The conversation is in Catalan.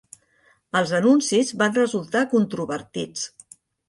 Els anuncis van resultar controvertits.